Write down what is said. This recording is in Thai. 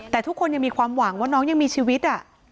แต่ทุกคนยังมีความหวังว่าน้องยังมีชีวิต